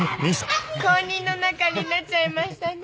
公認の仲になっちゃいましたね。